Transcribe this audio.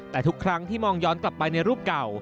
แต่ทุกครั้งที่มองย้อนกลับไปในรูปเก่า